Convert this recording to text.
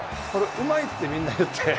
うまいってみんな言って。